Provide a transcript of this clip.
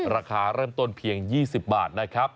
ราคาเริ่มต้นเพียง๒๐บาทนะครับ